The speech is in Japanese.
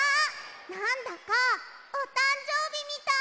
なんだかおたんじょうびみたい！